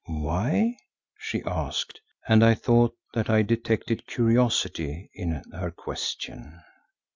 "Why?" she asked, and I thought that I detected curiosity in her question.